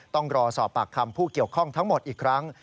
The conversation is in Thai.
ต้องรอสอบปากคำผู้เกี่ยวข้องทั้งหมดอีกครั้ง